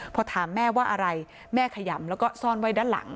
พอถามแม่ว่าอะไรแม่ขยำแล้วก็ซ่อนไว้ด้านหลัง